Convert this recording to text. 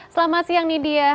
selamat siang nindya